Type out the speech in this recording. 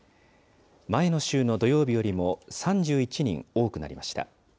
前の週の土曜日よりも３１人多くなりました。